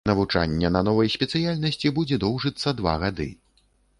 Навучанне на новай спецыяльнасці будзе доўжыцца два гады.